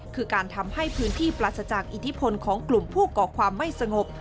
คือการทำให้พื้นที่ปราศจากอิทธิพลของกลุ่มผู้ก่อความไม่สงบ